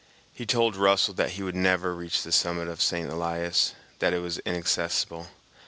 He told Russell that he would never reach the summit of St. Elias, that it was inaccessible.